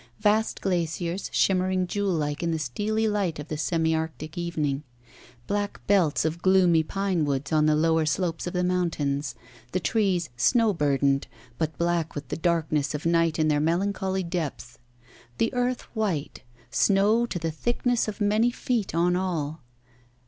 Vast glaciers shimmering jewel like in the steely light of the semi Arctic evening. Black belts of gloomy pinewoods on the lower slopes of the mountains; the trees snow burdened, but black with the darkness of night in their melancholy depths. The earth white; snow to the thickness of many feet on all.